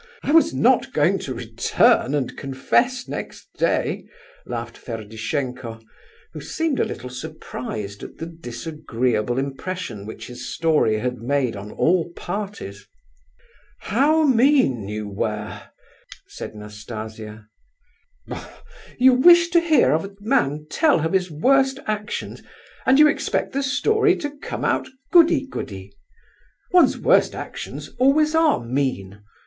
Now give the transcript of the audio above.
I was not going to return and confess next day," laughed Ferdishenko, who seemed a little surprised at the disagreeable impression which his story had made on all parties. "How mean you were!" said Nastasia. "Bah! you wish to hear a man tell of his worst actions, and you expect the story to come out goody goody! One's worst actions always are mean.